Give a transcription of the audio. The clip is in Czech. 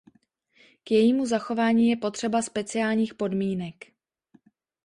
K jejímu zachování je potřeba speciálních podmínek.